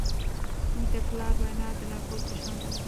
د پلار وینا د لارښود په شان ده.